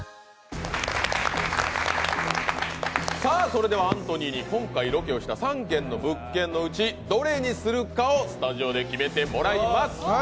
それではアントニーに今回ロケをした３軒の物件のうちどれにするかスタジオで決めてもらいます。